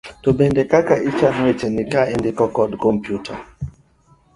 to bende ng'i kaka ichano wecheni, kaka indiko kapo ni itiyo gi kompyuta